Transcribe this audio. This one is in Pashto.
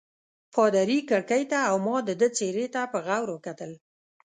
پادري کړکۍ ته او ما د ده څېرې ته په غور وکتل.